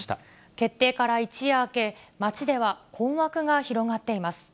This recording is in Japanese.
決定から一夜明け、街では困惑が広がっています。